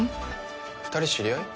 二人知り合い？